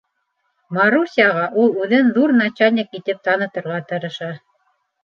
Марусяға ул үҙен ҙур начальник итеп танытырға тырыша.